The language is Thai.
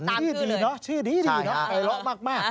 ชื่อนี้ดีเนอะชื่อนี้ดีเนอะไอละมาก